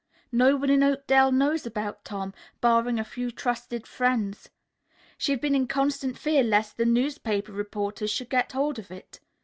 No one in Oakdale knows about Tom, barring a few trusted friends. She had been in constant fear lest the newspaper reporters should get hold of it.